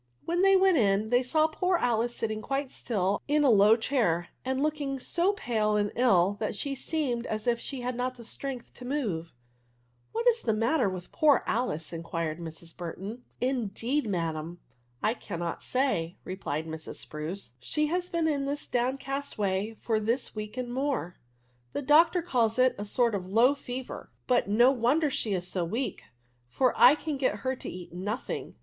When they went in, they saw poor Alice sitting quite still in a low chair, and looking so pale and ill that she seemed as if she had not strength to move. ADVERBS. 87 " What is tlie matter with poor Alice ?" inquired Mrs. Burton. " Indeed, ma'am, I can*t say," replied Mrs. Spruce. " She has been in this down cast way for this week and more. The doctor calls it a sort of low fever ; but no wonder she is so weak, for I can get her to eat nothing.